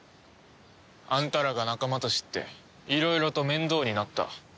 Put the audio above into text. あんたらが仲間と知っていろいろと面倒になった。